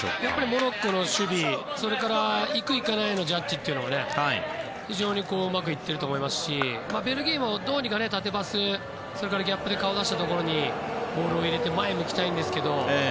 モロッコの守備それから行く、行かないのジャッジも非常にうまくいっていると思いますしベルギーもどうにか縦パスギャップで顔を出したところにボールを入れて前を向きたいんですけど。